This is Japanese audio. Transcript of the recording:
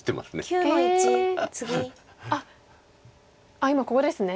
あっ今ここですね。